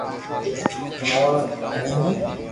ھون اورو دھڻي ھين